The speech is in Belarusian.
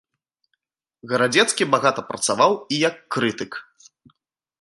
Гарадзецкі багата працаваў і як крытык.